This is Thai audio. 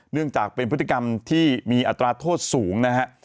เนื่องจากเป็นพฤติกรรมที่มีอัตราโทษสูงนะฮะ